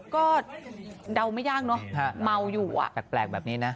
ก็เดาไม่ยากเนอะเมาอยู่อ่ะแปลกแบบนี้นะ